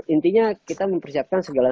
intinya kita mempersiapkan segala